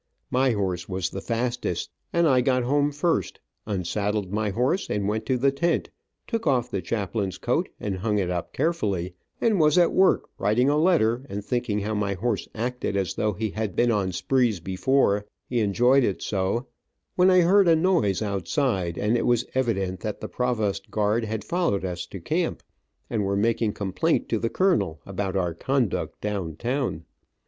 My horse was the fastest and I got home first, unsaddled my horse and went to the tent, took off the chaplain's coat and hung it up carefully, and was at work writing a letter, and thinking how my horse acted as though he had been on sprees before, he enjoyed it so, when I heard a noise outside, and it was evident that the provost guard had followed us to camp, and were making complaint to the colonel about our conduct down town.